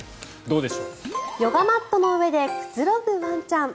ヨガマットの上でくつろぐワンちゃん。